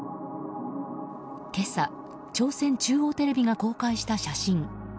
今朝、朝鮮中央テレビが公開した写真。